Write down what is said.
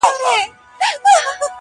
په مجلس کي ږغېدی لکه بلبله،